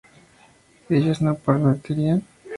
¿ellas no partirían?